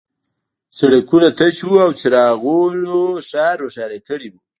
سړکونه تش وو او څراغونو ښار روښانه کړی و